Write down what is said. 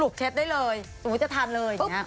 เช็ดได้เลยสมมุติจะทานเลยอย่างนี้